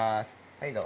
はいどうぞ。